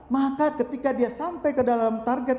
maka ketika dia sampai ke dalam target